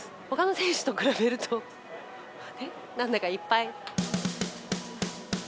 ほかの選手と比べると、なんだかいっぱい。